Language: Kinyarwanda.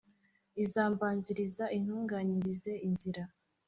izambanziriza intunganyirize inzira